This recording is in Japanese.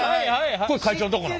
これ会長とこの？